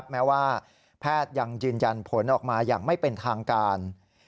แม้ว่าแพทย์ยังยืนยันผลออกมาอย่างไม่เป็นทางการ